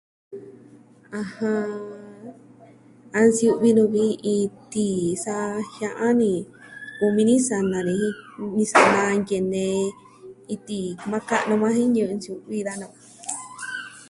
A nsiu'vi nu'u vi iin tii, sa jia'an ni kumi ni sana ni jen sanaa nkene iin tii maa ka'nu yukuan jen nsiu'vi ji da nu'u.